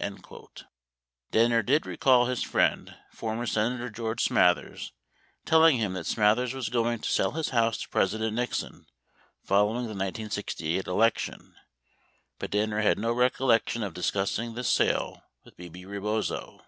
16 Danner did recall his friend for mer Senator George Smathers telling him that Smathers was going to sell his house to President Nixon following the 1968 election, but Danner had no recollection of discussing this sale with Bebe Rebozo.